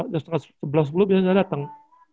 jam sebelas sebelas biasanya saya datang